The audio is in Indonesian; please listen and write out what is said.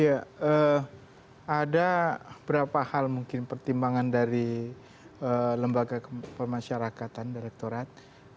ya ada beberapa hal mungkin pertimbangan dari lembaga pemasyarakatan direktorat